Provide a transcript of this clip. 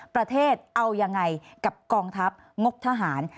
ประเทศเอายังไงกับกองทัพงบทหาร